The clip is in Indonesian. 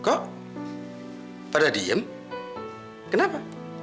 kok pada diem kenapa